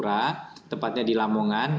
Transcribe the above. di pantura tepatnya di lamongan